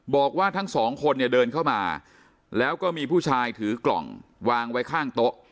บอกว่าทั้งสองคนเนี่ยเดินเข้ามาแล้วก็มีผู้ชายถือกล่องวางไว้ข้างโต๊ะ